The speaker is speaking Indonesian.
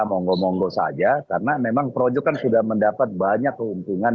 monggo monggo saja karena memang projo kan sudah mendapat banyak keuntungan